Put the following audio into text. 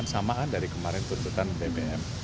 samaan dari kemarin tuntutan bbm